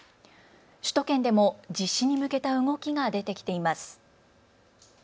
首都圏でも実施に向けた動きが出てきています。